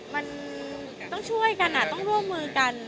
มันต้องช่วยกันต้องร่วมมือกัน